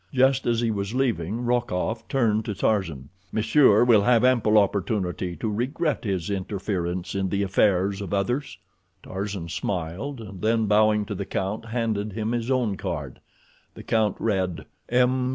Just as he was leaving, Rokoff turned to Tarzan. "Monsieur will have ample opportunity to regret his interference in the affairs of others." Tarzan smiled, and then, bowing to the count, handed him his own card. The count read: M.